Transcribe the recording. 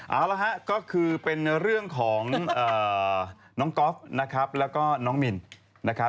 เอาละฮะก็คือเป็นเรื่องของน้องก๊อฟนะครับแล้วก็น้องมินนะครับ